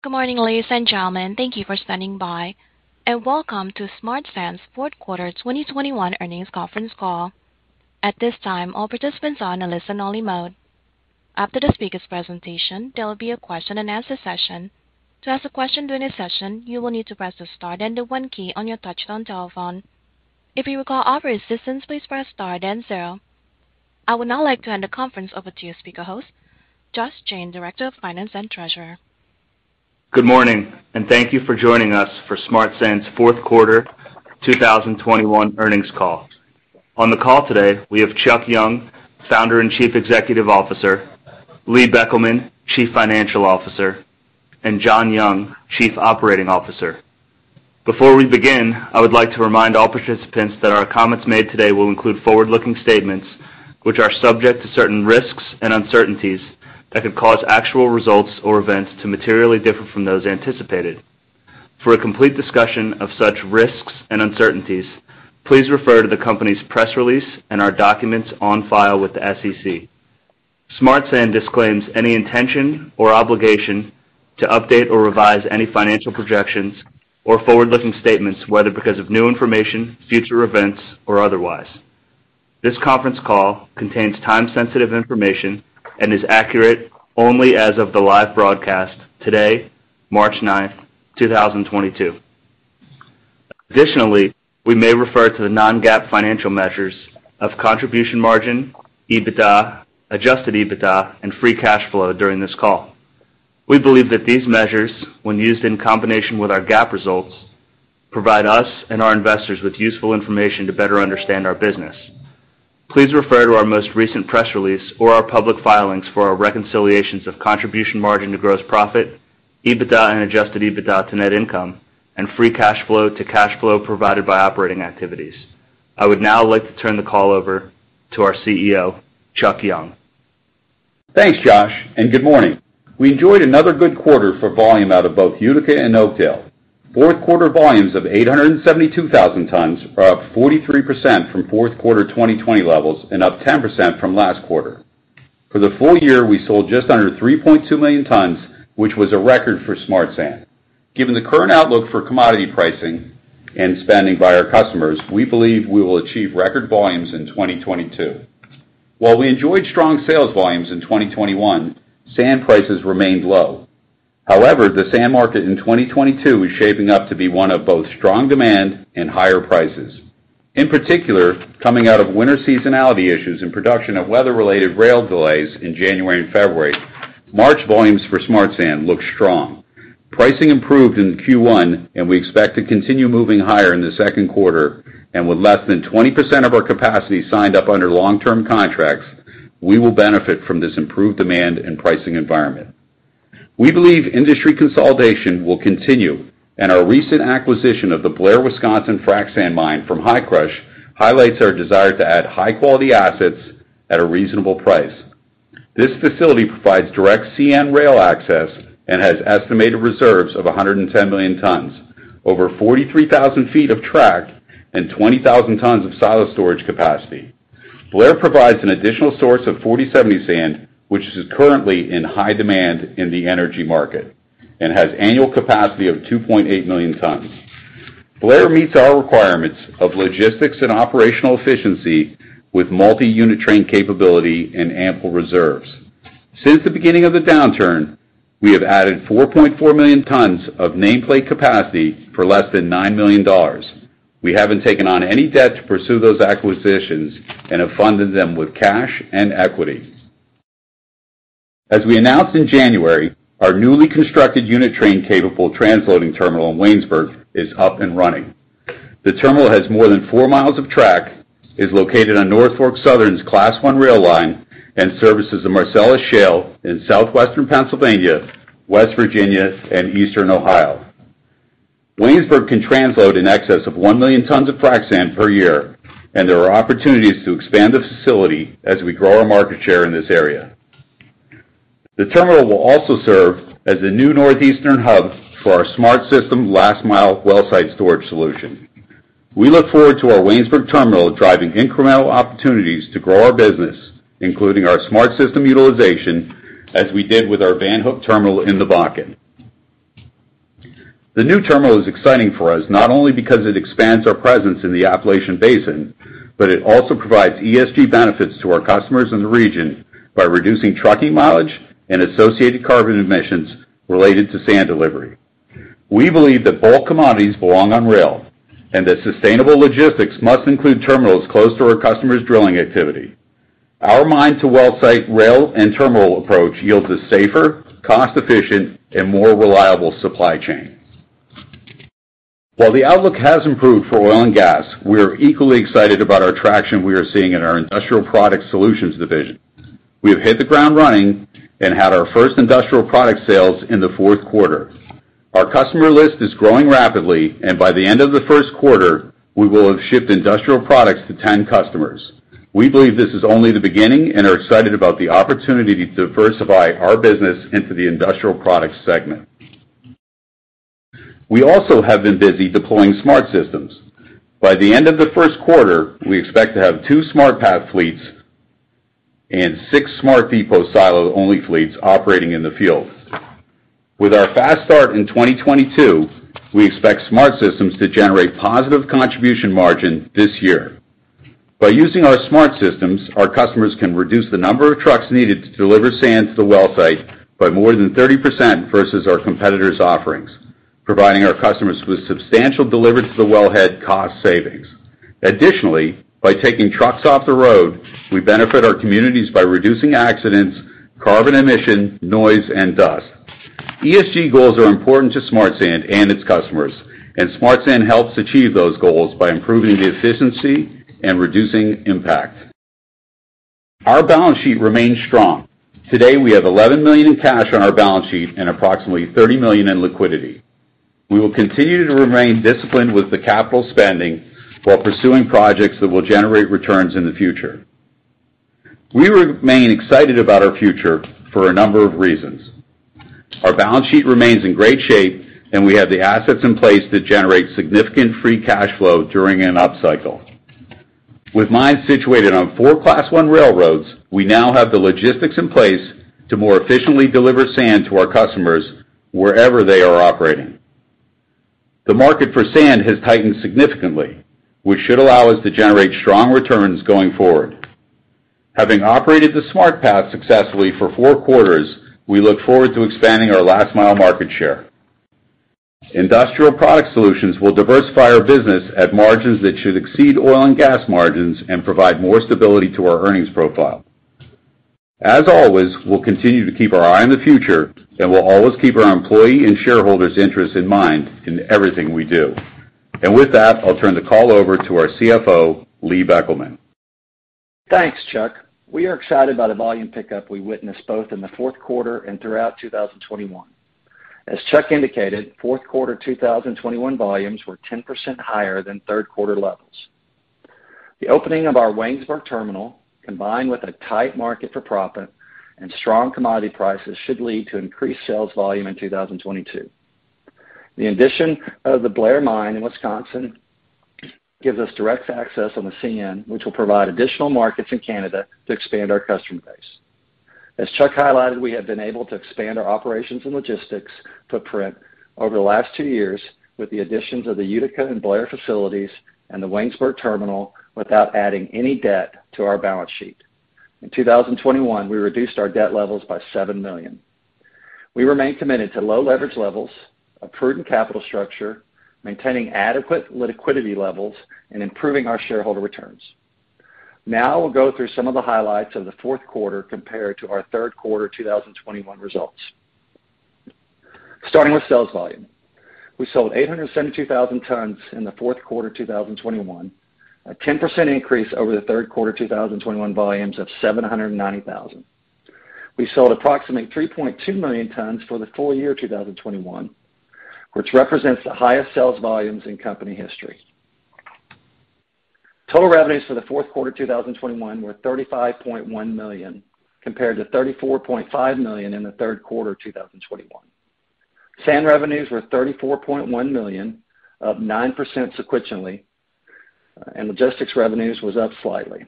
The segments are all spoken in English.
Good morning, ladies and gentlemen. Thank you for standing by, and welcome to Smart Sand's Q4 2021 earnings conference call. At this time, all participants are in a listen only mode. After the speaker's presentation, there will be a Q&A session. To ask a question during the session, you will need to press the star then the one key on your touchtone telephone. If you require operator assistance, please press star then zero. I would now like to hand the conference over to your speaker host, Josh Jayne, Director of Finance and Treasurer. Good morning, and thank you for joining us for Smart Sand's Q4 2021 earnings call. On the call today, we have Chuck Young, Founder and Chief Executive Officer, Lee Beckelman, Chief Financial Officer, and John Young, Chief Operating Officer. Before we begin, I would like to remind all participants that our comments made today will include forward-looking statements which are subject to certain risks and uncertainties that could cause actual results or events to materially differ from those anticipated. For a complete discussion of such risks and uncertainties, please refer to the company's press release and our documents on file with the SEC. Smart Sand disclaims any intention or obligation to update or revise any financial projections or forward-looking statements, whether because of new information, future events, or otherwise. This conference call contains time-sensitive information and is accurate only as of the live broadcast today, March 9, 2022. Additionally, we may refer to the non-GAAP financial measures of contribution margin, EBITDA, adjusted EBITDA and free cash flow during this call. We believe that these measures, when used in combination with our GAAP results, provide us and our investors with useful information to better understand our business. Please refer to our most recent press release or our public filings for our reconciliations of contribution margin to gross profit, EBITDA and adjusted EBITDA to net income, and free cash flow to cash flow provided by operating activities. I would now like to turn the call over to our CEO, Chuck Young. Thanks, Josh, and good morning. We enjoyed another good quarter for volume out of both Utica and Oakdale. Q4 volumes of 872,000 tons are up 43% from Q4 2020 levels and up 10% from last quarter. For the full year, we sold just under 3.2 million tons, which was a record for Smart Sand. Given the current outlook for commodity pricing and spending by our customers, we believe we will achieve record volumes in 2022. While we enjoyed strong sales volumes in 2021, sand prices remained low. However, the sand market in 2022 is shaping up to be one of both strong demand and higher prices. In particular, coming out of winter seasonality issues and production of weather-related rail delays in January and February, March volumes for Smart Sand look strong. Pricing improved in Q1, and we expect to continue moving higher in the Q2, and with less than 20% of our capacity signed up under long-term contracts, we will benefit from this improved demand and pricing environment. We believe industry consolidation will continue, and our recent acquisition of the Blair, Wisconsin, frac sand mine from Hi-Crush highlights our desire to add high-quality assets at a reasonable price. This facility provides direct CN rail access and has estimated reserves of 110 million tons, over 43,000 feet of track and 20,000 tons of silo storage capacity. Blair provides an additional source of 40/70 sand, which is currently in high demand in the energy market and has annual capacity of 2.8 million tons. Blair meets our requirements of logistics and operational efficiency with multi-unit train capability and ample reserves. Since the beginning of the downturn, we have added 4.4 million tons of nameplate capacity for less than $9 million. We haven't taken on any debt to pursue those acquisitions and have funded them with cash and equity. As we announced in January, our newly constructed unit train capable transloading terminal in Waynesburg is up and running. The terminal has more than four miles of track, is located on Norfolk Southern's Class I rail line, and services the Marcellus Shale in southwestern Pennsylvania, West Virginia, and eastern Ohio. Waynesburg can transload in excess of 1 million tons of frac sand per year, and there are opportunities to expand the facility as we grow our market share in this area. The terminal will also serve as the new northeastern hub for our SmartSystem last mile well site storage solution. We look forward to our Waynesburg terminal driving incremental opportunities to grow our business, including our SmartSystem utilization, as we did with our Van Hook terminal in the Bakken. The new terminal is exciting for us, not only because it expands our presence in the Appalachian Basin, but it also provides ESG benefits to our customers in the region by reducing trucking mileage and associated carbon emissions related to sand delivery. We believe that bulk commodities belong on rail and that sustainable logistics must include terminals close to our customers' drilling activity. Our mine-to-well site rail and terminal approach yields a safer, cost-efficient, and more reliable supply chain. While the outlook has improved for oil and gas, we are equally excited about our traction we are seeing in our Industrial Products Solutions division. We have hit the ground running and had our first industrial product sales in the Q4. Our customer list is growing rapidly, and by the end of the Q1, we will have shipped industrial products to 10 customers. We believe this is only the beginning and are excited about the opportunity to diversify our business into the industrial products segment. We also have been busy deploying SmartSystems. By the end of the Q1, we expect to have 2 SmartPath fleets and 6 SmartDepot silo-only fleets operating in the field. With our fast start in 2022, we expect SmartSystems to generate positive contribution margin this year. By using our SmartSystems, our customers can reduce the number of trucks needed to deliver sand to the well site by more than 30% versus our competitors' offerings, providing our customers with substantial delivered to the wellhead cost savings. Additionally, by taking trucks off the road, we benefit our communities by reducing accidents, carbon emissions, noise, and dust. ESG goals are important to Smart Sand and its customers, and Smart Sand helps achieve those goals by improving the efficiency and reducing impact. Our balance sheet remains strong. Today, we have $11 million in cash on our balance sheet and approximately $30 million in liquidity. We will continue to remain disciplined with the capital spending while pursuing projects that will generate returns in the future. We remain excited about our future for a number of reasons. Our balance sheet remains in great shape, and we have the assets in place that generate significant free cash flow during an upcycle. With mines situated on four Class I railroads, we now have the logistics in place to more efficiently deliver sand to our customers wherever they are operating. The market for sand has tightened significantly, which should allow us to generate strong returns going forward. Having operated the SmartPath successfully for four quarters, we look forward to expanding our last-mile market share. Industrial Products Solutions will diversify our business at margins that should exceed oil and gas margins and provide more stability to our earnings profile. As always, we'll continue to keep our eye on the future, and we'll always keep our employee and shareholders' interests in mind in everything we do. With that, I'll turn the call over to our CFO, Lee Beckelman. Thanks, Chuck. We are excited about the volume pickup we witnessed both in the Q4 and throughout 2021. As Chuck indicated, Q4 2021 volumes were 10% higher than Q3 levels. The opening of our Waynesburg terminal, combined with a tight market for proppant and strong commodity prices, should lead to increased sales volume in 2022. The addition of the Blair mine in Wisconsin gives us direct access on the CN, which will provide additional markets in Canada to expand our customer base. As Chuck highlighted, we have been able to expand our operations and logistics footprint over the last two years with the additions of the Utica and Blair facilities and the Waynesburg terminal without adding any debt to our balance sheet. In 2021, we reduced our debt levels by $7 million. We remain committed to low leverage levels, a prudent capital structure, maintaining adequate liquidity levels, and improving our shareholder returns. Now we'll go through some of the highlights of the Q4 compared to our Q3 2021 results. Starting with sales volume. We sold 872,000 tons in the Q4 2021, a 10% increase over the Q3 2021 volumes of 790,000. We sold approximately 3.2 million tons for the full year 2021, which represents the highest sales volumes in company history. Total revenues for the Q4 2021 were $35.1 million, compared to $34.5 million in the Q3 2021. Sand revenues were $34.1 million, up 9% sequentially, and logistics revenues was up slightly.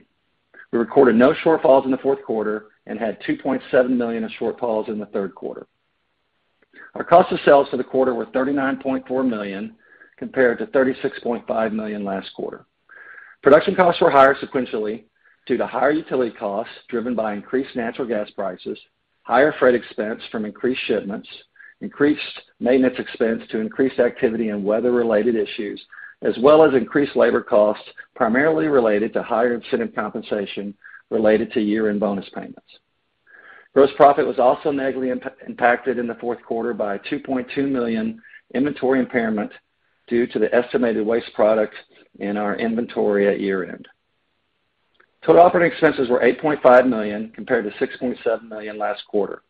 We recorded no shortfalls in the Q4 and had $2.7 million in shortfalls in the Q3. Our cost of sales for the quarter were $39.4 million, compared to $36.5 million last quarter. Production costs were higher sequentially due to higher utility costs driven by increased natural gas prices, higher freight expense from increased shipments, increased maintenance expense due to increased activity and weather-related issues, as well as increased labor costs, primarily related to higher incentive compensation related to year-end bonus payments. Gross profit was also negatively impacted in the Q4 by a $2.2 million inventory impairment due to the estimated waste products in our inventory at year-end. Total operating expenses were $8.5 million, compared to $6.7 million last quarter.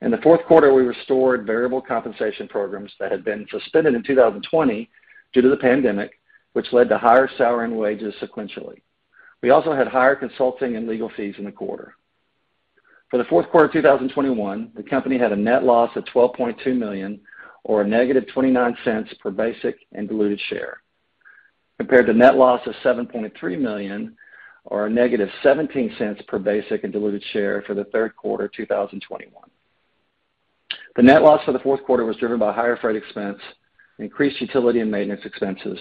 In the Q4, we restored variable compensation programs that had been suspended in 2020 due to the pandemic, which led to higher salary and wages sequentially. We also had higher consulting and legal fees in the quarter. For the Q4 2021, the company had a net loss of $12.2 million or -$0.29 per basic and diluted share, compared to net loss of $7.3 million or -$0.17 per basic and diluted share for the Q3 2021. The net loss for the Q4 was driven by higher freight expense, increased utility and maintenance expenses,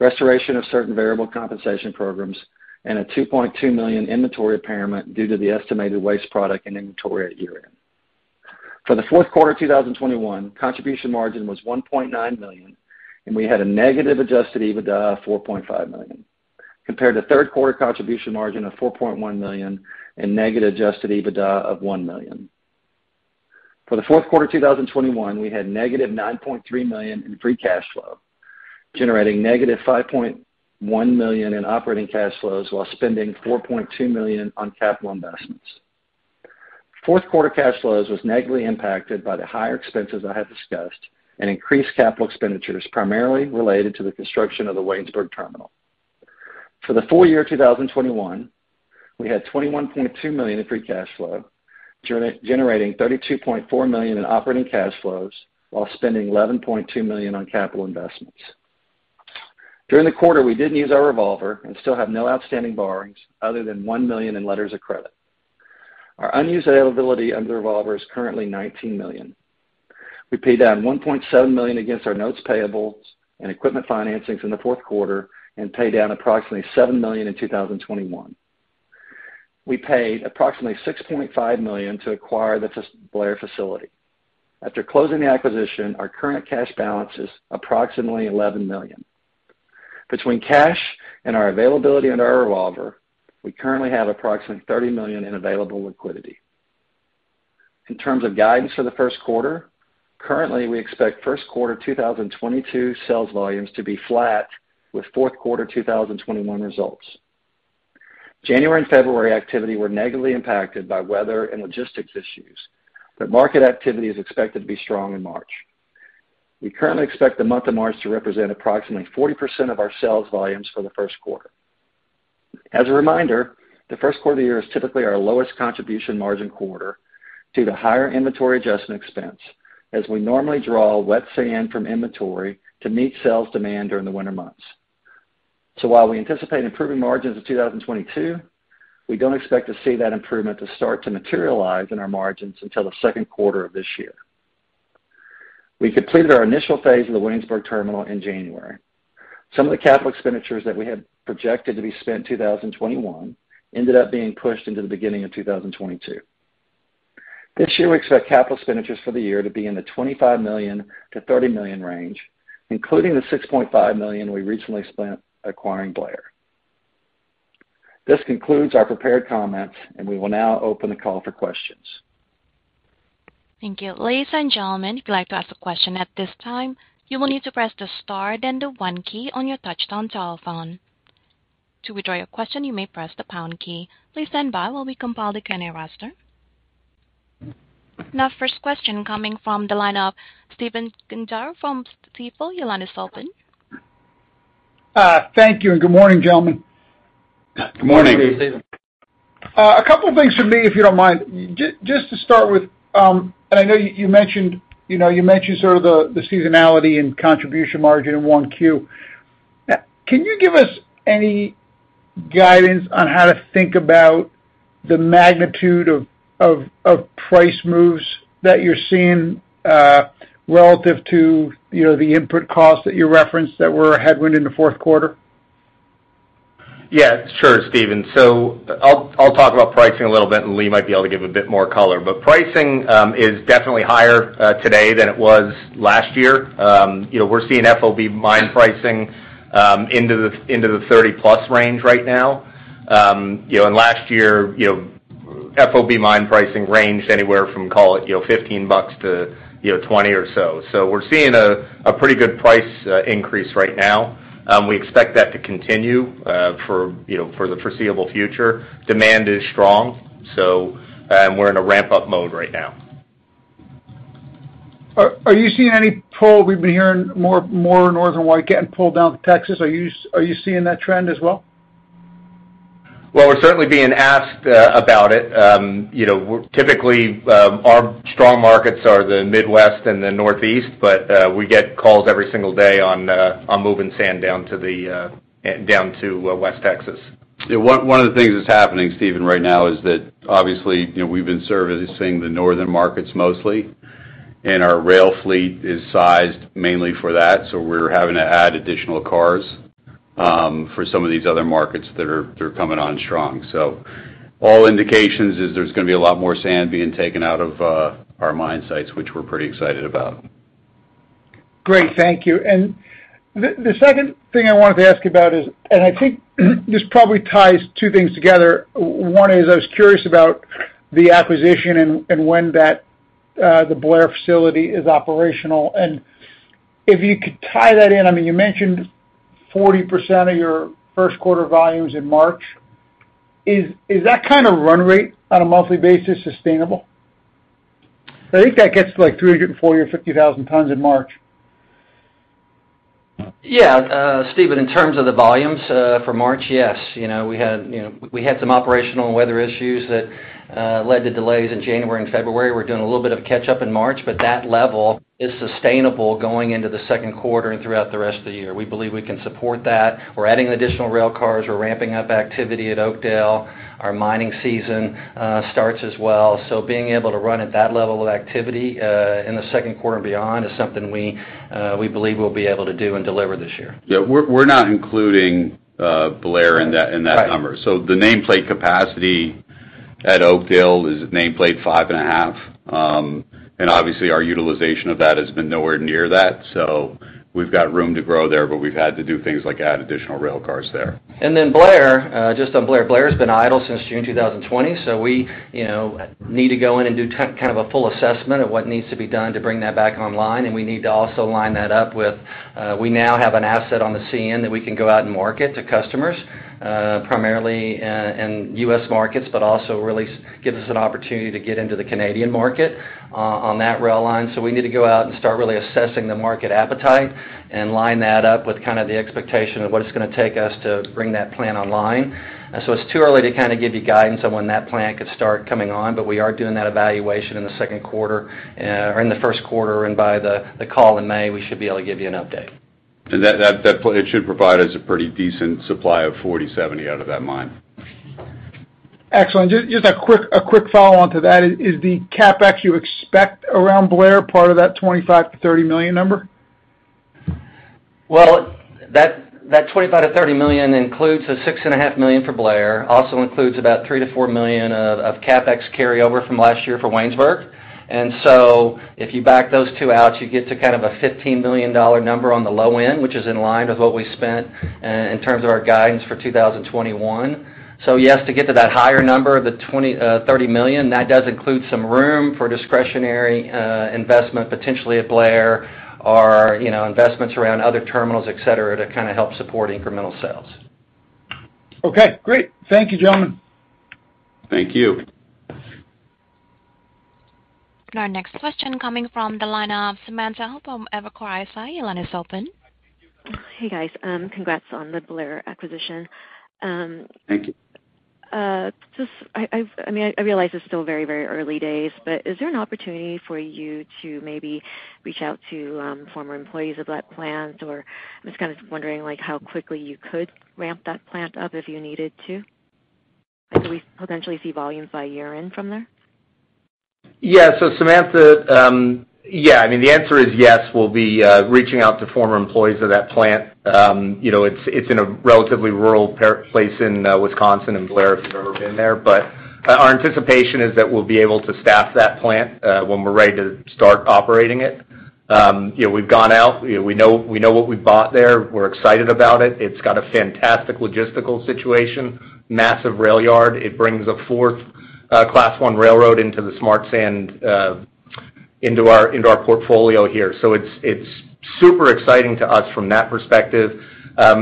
restoration of certain variable compensation programs, and a $2.2 million inventory impairment due to the estimated waste product and inventory at year-end. For the Q4 2021, contribution margin was $1.9 million, and we had a negative adjusted EBITDA of $4.5 million, compared to Q3 contribution margin of $4.1 million and negative adjusted EBITDA of $1 million. For the Q4 2021, we had -$9.3 million in free cash flow, generating -$5.1 million in operating cash flows while spending $4.2 million on capital investments. Q4 cash flows was negatively impacted by the higher expenses I have discussed and increased capital expenditures primarily related to the construction of the Waynesburg terminal. For the full year 2021, we had $21.2 million in free cash flow, generating $32.4 million in operating cash flows while spending $11.2 million on capital investments. During the quarter, we didn't use our revolver and still have no outstanding borrowings other than $1 million in letters of credit. Our unused availability under the revolver is currently $19 million. We paid down $1.7 million against our notes payables and equipment financings in the Q4 and paid down approximately $7 million in 2021. We paid approximately $6.5 million to acquire the Blair facility. After closing the acquisition, our current cash balance is approximately $11 million. Between cash and our availability under our revolver, we currently have approximately $30 million in available liquidity. In terms of guidance for the Q1, currently we expect Q1 2022 sales volumes to be flat with Q4 2021 results. January and February activity were negatively impacted by weather and logistics issues, but market activity is expected to be strong in March. We currently expect the month of March to represent approximately 40% of our sales volumes for the Q1. As a reminder, the Q1 year is typically our lowest contribution margin quarter due to higher inventory adjustment expense, as we normally draw wet sand from inventory to meet sales demand during the winter months. While we anticipate improving margins in 2022, we don't expect to see that improvement to start to materialize in our margins until the Q2 of this year. We completed our initial phase of the Waynesburg terminal in January. Some of the capital expenditures that we had projected to be spent in 2021 ended up being pushed into the beginning of 2022. This year, we expect capital expenditures for the year to be in the $25 million to $30 million range, including the $6.5 million we recently spent acquiring Blair. This concludes our prepared comments, and we will now open the call for questions. Thank you. Ladies and gentlemen, if you'd like to ask a question at this time, you will need to press the star then the 1 key on your touch-tone telephone. To withdraw your question, you may press the pound key. Please stand by while we compile the Q&A roster. Now first question coming from the line of Stephen Gengaro from Stifel. Your line is open. Thank you, and good morning, gentlemen. Good morning. Good morning, Stephen. A couple of things from me, if you don't mind. Just to start with, I know you mentioned, you know, sort of the seasonality and contribution margin in 1Q. Can you give us any guidance on how to think about the magnitude of price moves that you're seeing, relative to, you know, the input costs that you referenced that were a headwind in the Q4? Yeah, sure, Steven. I'll talk about pricing a little bit, and Lee might be able to give a bit more color. Pricing is definitely higher today than it was last year. You know, we're seeing FOB mine pricing into the $30+ range right now. You know, and last year, you know, FOB mine pricing ranged anywhere from, call it, you know, $15 to, you know, $20 or so. We're seeing a pretty good price increase right now. We expect that to continue for the foreseeable future. Demand is strong, so we're in a ramp-up mode right now. Are you seeing any pull? We've been hearing more Northern White getting pulled down to Texas. Are you seeing that trend as well? Well, we're certainly being asked about it. You know, typically, our strong markets are the Midwest and the Northeast, but we get calls every single day on moving sand down to West Texas. Yeah, one of the things that's happening, Stephen, right now is that obviously, you know, we've been servicing the northern markets mostly, and our rail fleet is sized mainly for that, so we're having to add additional cars for some of these other markets that are coming on strong. All indications is there's gonna be a lot more sand being taken out of our mine sites, which we're pretty excited about. Great. Thank you. The second thing I wanted to ask you about is, I think this probably ties two things together. One is I was curious about the acquisition and when that, the Blair facility is operational. If you could tie that in. I mean, you mentioned 40% of your Q1 volume's in March. Is that kind of run rate on a monthly basis sustainable? I think that gets to, like, 340,000 or 350,000 tons in March. Yeah. Stephen, in terms of the volumes, for March, yes. You know, we had some operational weather issues that led to delays in January and February. We're doing a little bit of catch-up in March, but that level is sustainable going into the Q2 and throughout the rest of the year. We believe we can support that. We're adding additional rail cars. We're ramping up activity at Oakdale. Our mining season starts as well. So being able to run at that level of activity in the Q2 and beyond is something we believe we'll be able to do and deliver this year. Yeah. We're not including Blair in that number. Right. The nameplate capacity at Oakdale is 5.5. Obviously, our utilization of that has been nowhere near that. We've got room to grow there, but we've had to do things like add additional rail cars there. Then Blair, just on Blair. Blair has been idle since June 2020. We, you know, need to go in and do kind of a full assessment of what needs to be done to bring that back online. We need to also line that up with, we now have an asset on the CN that we can go out and market to customers, primarily, in U.S. markets, but also really gives us an opportunity to get into the Canadian market, on that rail line. We need to go out and start really assessing the market appetite and line that up with kinda the expectation of what it's gonna take us to bring that plant online. It's too early to kinda give you guidance on when that plant could start coming on. We are doing that evaluation in the Q2, or in the Q1. By the call in May, we should be able to give you an update. That it should provide us a pretty decent supply of 40/70 out of that mine. Excellent. Just a quick follow-on to that. Is the CapEx you expect around Blair part of that $25 million to $30 million number? Well, that 25 to 30 million includes the $6.5 million for Blair. It also includes about $3 to $4 million of CapEx carryover from last year for Waynesburg. If you back those two out, you get to kind of a $15 million number on the low end, which is in line with what we spent in terms of our guidance for 2021. Yes, to get to that higher number of the 25 to 30 million, that does include some room for discretionary investment, potentially at Blair or, you know, investments around other terminals, etc, to kinda help support incremental sales. Okay, great. Thank you, gentlemen. Thank you. Our next question coming from the line of Samantha Hoh from Evercore ISI. Your line is open. Hey, guys. Congrats on the Blair acquisition. Thank you. I mean, I realize it's still very, very early days, but is there an opportunity for you to maybe reach out to former employees of that plant? Or I'm just kind of wondering, like, how quickly you could ramp that plant up if you needed to? Could we potentially see volumes by year-end from there? Yeah. Samantha, yeah, I mean, the answer is yes, we'll be reaching out to former employees of that plant. You know, it's in a relatively rural place in Wisconsin and Blair, if you've ever been there. Our anticipation is that we'll be able to staff that plant when we're ready to start operating it. You know, we've gone out. You know, we know what we bought there. We're excited about it. It's got a fantastic logistical situation, massive rail yard. It brings a fourth Class I railroad into the Smart Sand into our portfolio here. It's super exciting to us from that perspective.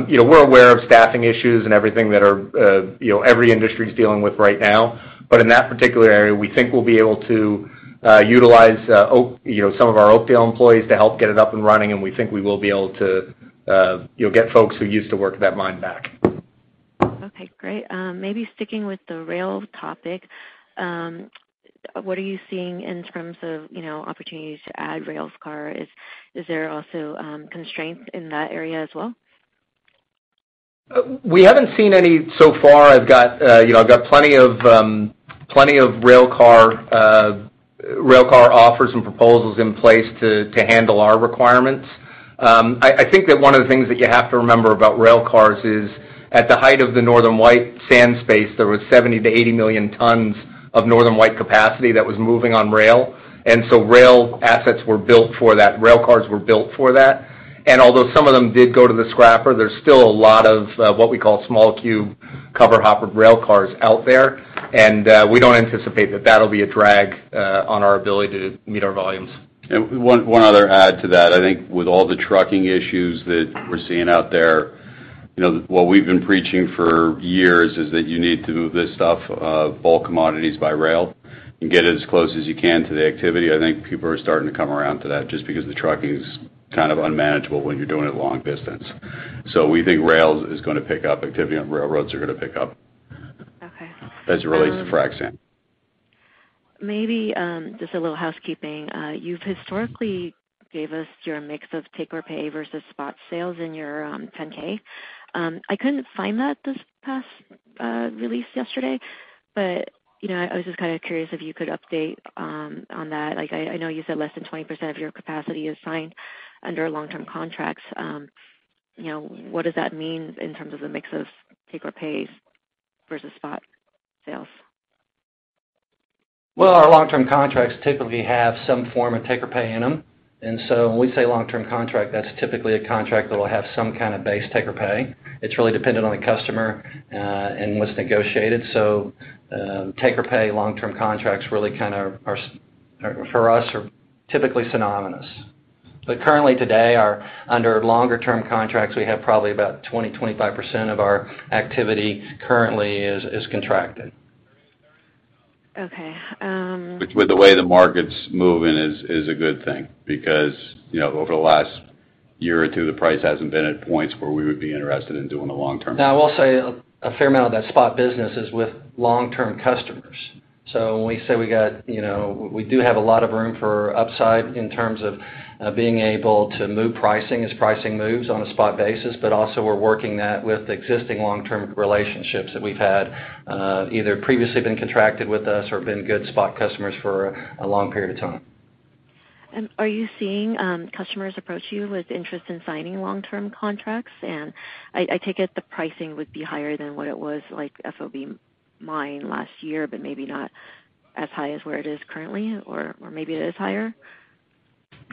You know, we're aware of staffing issues and everything that are you know, every industry is dealing with right now. In that particular area, we think we'll be able to utilize, you know, some of our Oakdale employees to help get it up and running, and we think we will be able to, you know, get folks who used to work that mine back. Okay, great. Maybe sticking with the rail topic, what are you seeing in terms of, you know, opportunities to add railcar? Is there also constraints in that area as well? We haven't seen any so far. I've got, you know, plenty of railcar offers and proposals in place to handle our requirements. I think that one of the things that you have to remember about railcars is, at the height of the Northern White sand space, there was 70-80 million tons of Northern White capacity that was moving on rail. Rail assets were built for that. Railcars were built for that. Although some of them did go to the scrapper, there's still a lot of what we call small cube covered hopper railcars out there. We don't anticipate that that'll be a drag on our ability to meet our volumes. One other add to that. I think with all the trucking issues that we're seeing out there, you know, what we've been preaching for years is that you need to move this stuff, bulk commodities by rail and get as close as you can to the activity. I think people are starting to come around to that just because the trucking is kind of unmanageable when you're doing it long distance. We think rails is gonna pick up, activity on railroads are gonna pick up. Okay. As it relates to frac sand. Maybe just a little housekeeping. You've historically gave us your mix of take-or-pay versus spot sales in your 10-K. I couldn't find that this past release yesterday, but you know, I was just kinda curious if you could update on that. Like, I know you said less than 20% of your capacity is signed under long-term contracts. You know, what does that mean in terms of the mix of take-or-pays versus spot sales? Well, our long-term contracts typically have some form of take or pay in them. When we say long-term contract, that's typically a contract that will have some kind of base take or pay. It's really dependent on the customer and what's negotiated. Take or pay long-term contracts really kind of are, for us, typically synonymous. Currently today, we're under longer-term contracts, we have probably about 20-25% of our activity currently is contracted. Okay. Which, with the way the market's moving, is a good thing because, you know, over the last year or two, the price hasn't been at points where we would be interested in doing a long-term contract. Now, I will say a fair amount of that spot business is with long-term customers. When we say, you know, we do have a lot of room for upside in terms of being able to move pricing as pricing moves on a spot basis. Also we're working that with existing long-term relationships that we've had, either previously been contracted with us or been good spot customers for a long period of time. Are you seeing customers approach you with interest in signing long-term contracts? I take it the pricing would be higher than what it was like FOB mine last year, but maybe not as high as where it is currently, or maybe it is higher.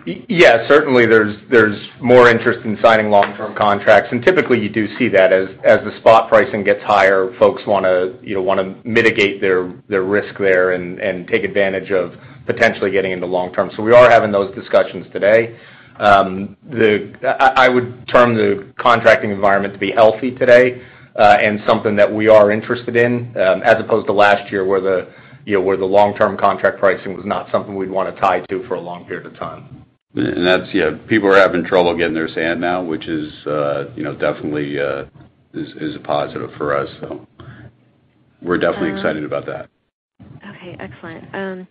Yeah, certainly there's more interest in signing long-term contracts. Typically you do see that as the spot pricing gets higher, folks wanna, you know, mitigate their risk there and take advantage of potentially getting into long term. We are having those discussions today. I would term the contracting environment to be healthy today, and something that we are interested in, as opposed to last year where the, you know, long-term contract pricing was not something we'd wanna tie to for a long period of time. That's, you know, people are having trouble getting their sand now, which is, you know, definitely is a positive for us. We're definitely excited about that. Okay, excellent.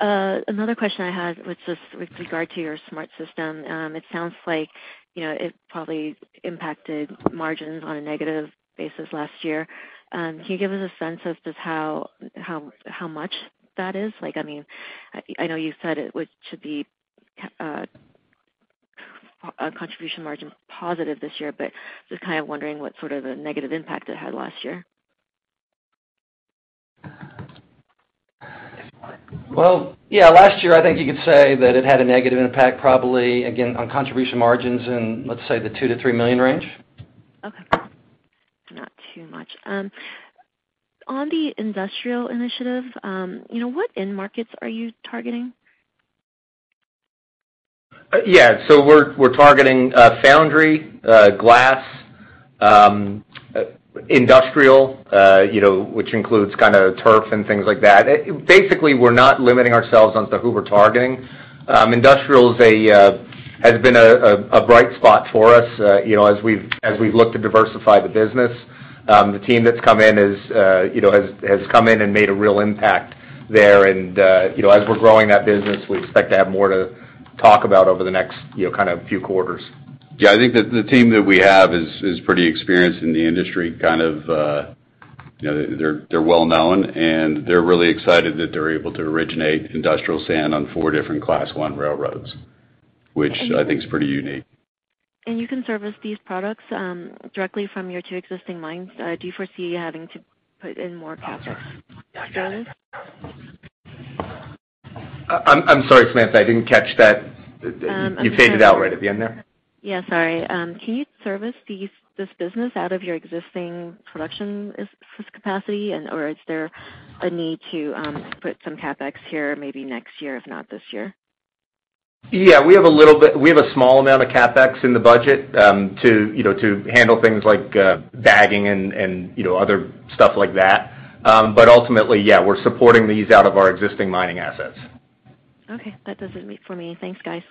Another question I had was just with regard to your SmartSystem. It sounds like, you know, it probably impacted margins on a negative basis last year. Can you give us a sense of just how much that is? Like, I mean, I know you said it was to be a contribution margin positive this year, but just kind of wondering what sort of a negative impact it had last year. Well, yeah, last year, I think you could say that it had a negative impact, probably again, on contribution margins in, let's say, the $2 million to $3 million range. Okay. Not too much. On the industrial initiative, you know, what end markets are you targeting? Yeah. We're targeting foundry, glass, industrial, you know, which includes kind of turf and things like that. Basically, we're not limiting ourselves as to who we're targeting. Industrial has been a bright spot for us, you know, as we've looked to diversify the business. The team that's come in is, you know, has come in and made a real impact there. You know, as we're growing that business, we expect to have more to talk about over the next, you know, kind of few quarters. Yeah. I think that the team that we have is pretty experienced in the industry kind of, you know, they're well known, and they're really excited that they're able to originate industrial sand on four different class one railroads, which I think is pretty unique. You can service these products, directly from your two existing mines. Do you foresee having to put in more CapEx? I'm sorry, Samantha, I didn't catch that. You faded out right at the end there. Yeah, sorry. Can you service these, this business out of your existing production capacity and or is there a need to put some CapEx here maybe next year, if not this year? Yeah, we have a small amount of CapEx in the budget, to you know to handle things like bagging and you know other stuff like that. Ultimately, yeah, we're supporting these out of our existing mining assets. Okay. That does it for me. Thanks, guys.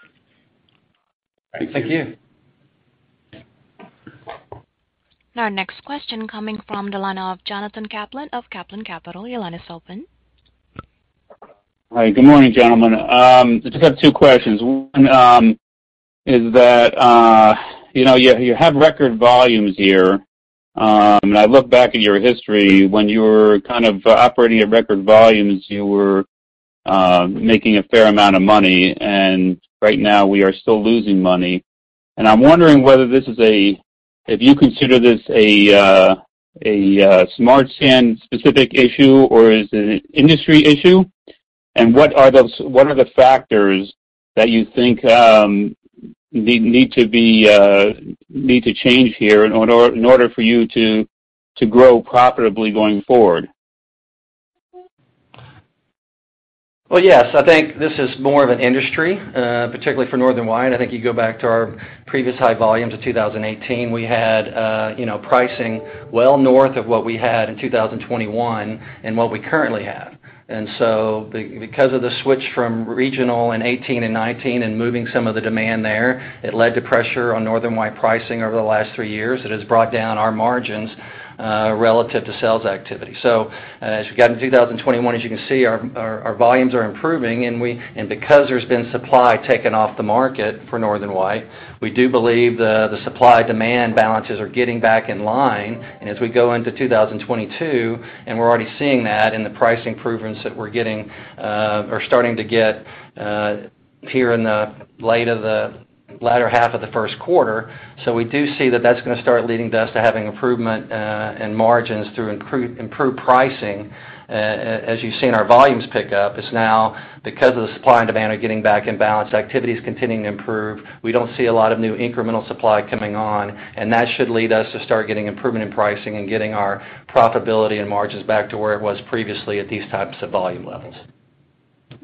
Thank you. Thank you. Our next question coming from the line of Jonathan Caplan of Caplan Capital. Your line is open. Hi. Good morning, gentlemen. I just got two questions. One, you know, you have record volumes here. I look back at your history when you were kind of operating at record volumes, you were making a fair amount of money, and right now we are still losing money. I'm wondering whether this is, if you consider this, a Smart Sand specific issue or is it an industry issue, and what are the factors that you think need to change here in order for you to grow profitably going forward? Well, yes. I think this is more of an industry, particularly for Northern White. I think you go back to our previous high volumes of 2018. We had, you know, pricing well north of what we had in 2021 and what we currently have. Because of the switch from regional in 2018 and 2019 and moving some of the demand there, it led to pressure on Northern White pricing over the last three years. It has brought down our margins relative to sales activity. As we got in 2021, as you can see, our volumes are improving, and because there's been supply taken off the market for Northern White, we do believe the supply demand balances are getting back in line. As we go into 2022, we're already seeing that in the price improvements that we're starting to get here in the latter half of the Q1. We do see that that's gonna start leading to us having improvement and margins through improved pricing. As you've seen our volumes pick up, it's now because the supply and demand are getting back in balance, activity is continuing to improve. We don't see a lot of new incremental supply coming on, and that should lead us to start getting improvement in pricing and getting our profitability and margins back to where it was previously at these types of volume levels.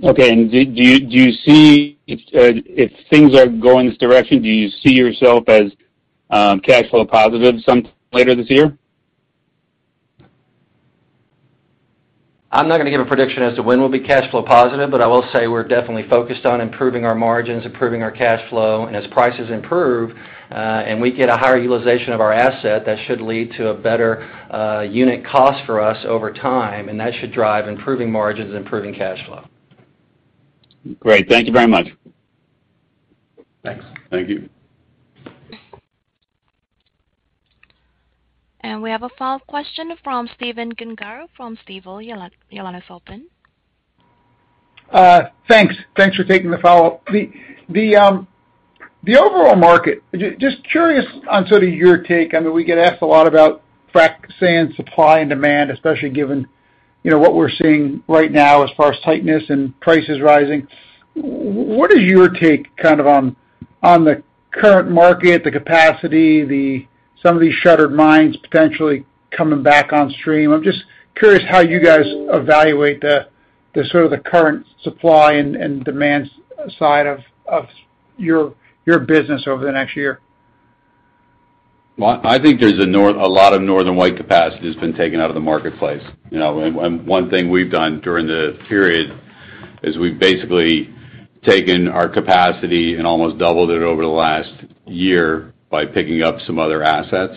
Okay. Do you see, if things are going this direction, do you see yourself as cash flow positive some later this year? I'm not gonna give a prediction as to when we'll be cash flow positive, but I will say we're definitely focused on improving our margins, improving our cash flow. As prices improve, and we get a higher utilization of our asset, that should lead to a better unit cost for us over time, and that should drive improving margins and improving cash flow. Great. Thank you very much. Thanks. Thank you. We have a follow-up question from Stephen Gengaro from Stifel. Your line is open. Thanks. Thanks for taking the follow-up. The overall market, just curious on sort of your take. I mean, we get asked a lot about frac sand supply and demand, especially given, you know, what we're seeing right now as far as tightness and prices rising. What is your take kind of on the current market, the capacity, some of these shuttered mines potentially coming back on stream? I'm just curious how you guys evaluate the sort of the current supply and demand side of your business over the next year. Well, I think there's a lot of Northern White capacity that's been taken out of the marketplace, you know. One thing we've done during the period. As we've basically taken our capacity and almost doubled it over the last year by picking up some other assets,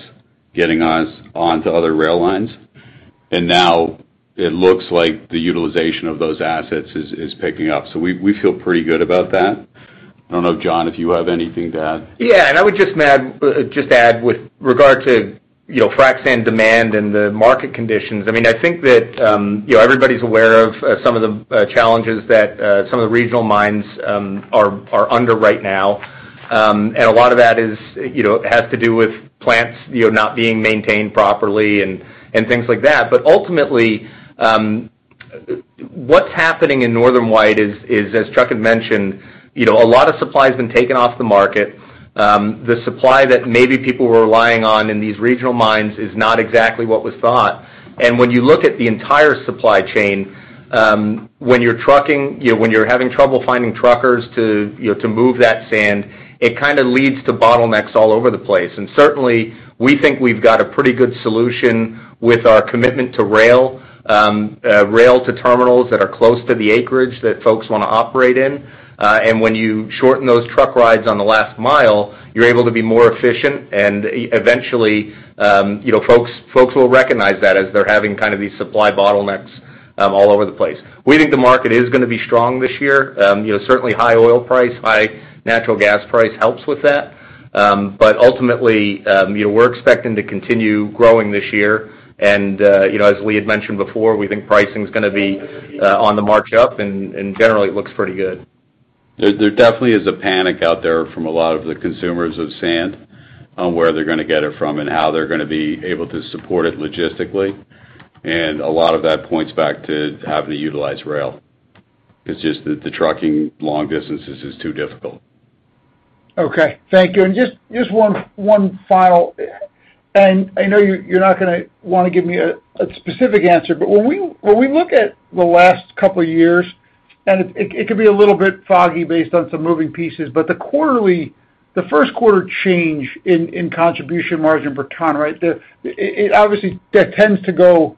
getting us onto other rail lines. Now it looks like the utilization of those assets is picking up. We feel pretty good about that. I don't know, John, if you have anything to add. Yeah. I would just add with regard to, you know, frac sand demand and the market conditions. I mean, I think that, you know, everybody's aware of some of the challenges that some of the regional mines are under right now. A lot of that is, you know, has to do with plants, you know, not being maintained properly and things like that. But ultimately, what's happening in Northern White is, as Chuck had mentioned, you know, a lot of supply has been taken off the market. The supply that maybe people were relying on in these regional mines is not exactly what was thought. When you look at the entire supply chain, when you're trucking, when you're having trouble finding truckers to, you know, to move that sand, it kinda leads to bottlenecks all over the place. Certainly, we think we've got a pretty good solution with our commitment to rail to terminals that are close to the acreage that folks wanna operate in. When you shorten those truck rides on the last mile, you're able to be more efficient, and eventually, you know, folks will recognize that as they're having kind of these supply bottlenecks all over the place. We think the market is gonna be strong this year. You know, certainly high oil price, high natural gas price helps with that. Ultimately, you know, we're expecting to continue growing this year. You know, as Lee had mentioned before, we think pricing is gonna be on the march up, and generally it looks pretty good. There definitely is a panic out there from a lot of the consumers of sand on where they're gonna get it from and how they're gonna be able to support it logistically. A lot of that points back to having to utilize rail. It's just the trucking long distances is too difficult. Okay, thank you. Just one final. I know you're not gonna wanna give me a specific answer. When we look at the last couple of years, and it could be a little bit foggy based on some moving pieces, but the Q1 change in contribution margin per ton, right? It obviously that tends to go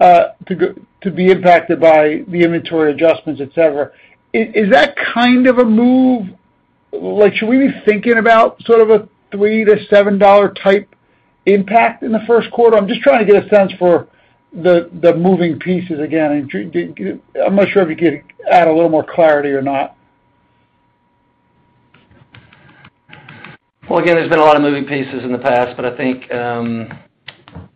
to be impacted by the inventory adjustments, et cetera. Is that kind of a move? Like, should we be thinking about sort of a $3 to $7 type impact in the Q1? I'm just trying to get a sense for the moving pieces again. I'm not sure if you could add a little more clarity or not. Well, again, there's been a lot of moving pieces in the past, but I think,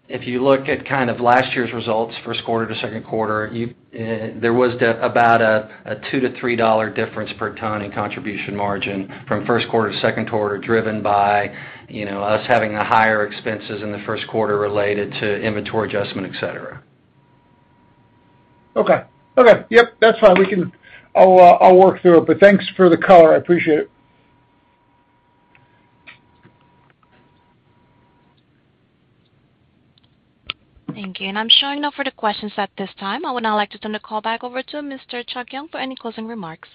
if you look at kind of last year's results, Q1 to Q2, there was about a $2 to $3 difference per ton in contribution margin from Q1 to Q2, driven by, you know, us having higher expenses in the Q1 related to inventory adjustment, et cetera. Okay. Yep, that's fine. I'll work through it, but thanks for the color. I appreciate it. Thank you. I'm opening now for the questions at this time. I would now like to turn the call back over to Mr. Chuck Young for any closing remarks.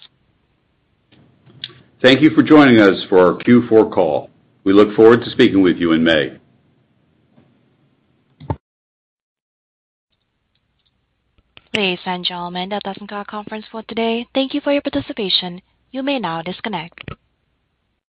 Thank you for joining us for our Q4 call. We look forward to speaking with you in May. Ladies and gentlemen, that does end our conference for today. Thank you for your participation. You may now disconnect.